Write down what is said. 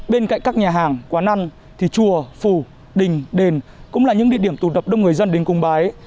bên cạnh các nhà hàng quán ăn thì chùa phù đình đền cũng là những địa điểm tụ tập đông người dân đến cung bái